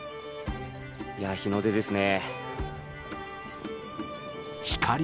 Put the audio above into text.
いやー、日の出ですね。